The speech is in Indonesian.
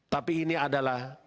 tapi ini adalah